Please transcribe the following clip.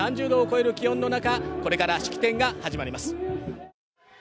３０度を超える気温の中、これから式典が始まります。